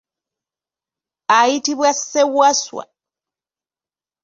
Ayitibwa Ssewaswa.